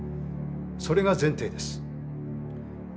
それが前提です。